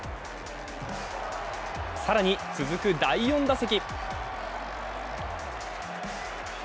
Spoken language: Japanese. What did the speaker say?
更に続く第４打席。